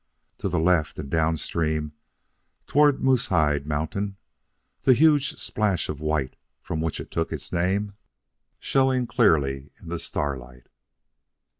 To the left, and downstream, toward Moosehide Mountain, the huge splash of white, from which it took its name, showing clearly in the starlight.